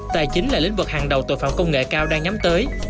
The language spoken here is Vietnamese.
tài chính là lĩnh vực hàng đầu tội phạm công nghệ cao đang nhắm tới